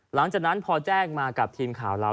หลังจากนั้นพอแจ้งมากับทีมข่าวเรา